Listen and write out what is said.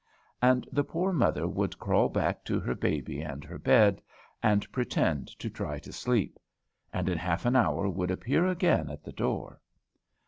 And the poor mother would crawl back to her baby and her bed, and pretend to try to sleep; and in half an hour would appear again at the door.